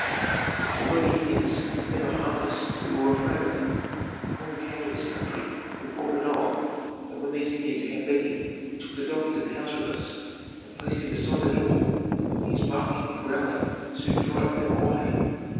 Although the Indians had never harmed us we were afraid of them. When we came to this country we brought a dog, and when these Indians came begging we took the dog into the house with us and placed him beside the door, where his barking and growling soon frightened them away.